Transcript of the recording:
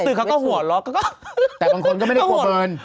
คือเขาก็หัวเราะแต่บางคนก็ไม่ได้กลัวเพลิน